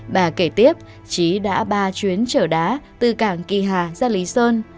bà kể tiếp trí đã ba chuyến trở đá từ cảng kỳ hà ra lý sơn